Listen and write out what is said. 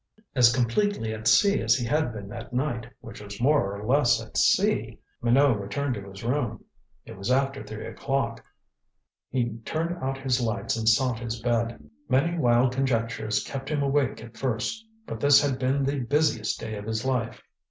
As completely at sea as he had been that night which was more or less at sea Minot returned to his room. It was after three o'clock. He turned out his lights and sought his bed. Many wild conjectures kept him awake at first, but this had been the busiest day of his life.